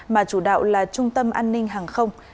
mà chủ đạo là trung tâm an ninh hàng không